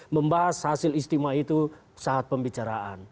membahas hasil istimewa itu saat pembicaraan